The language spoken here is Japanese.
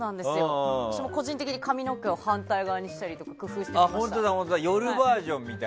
私も個人的に髪の毛を反対側にしたりとか工夫しました。